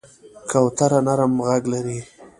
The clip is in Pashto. کوتره نرم غږ لري.